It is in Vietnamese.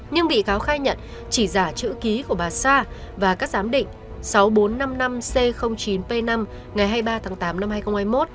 nhưng bị cáo khai nhận chỉ giả chữ ký của bà sa và các giám định sáu nghìn bốn trăm năm mươi năm c chín p năm ngày hai mươi ba tháng tám năm hai nghìn hai mươi một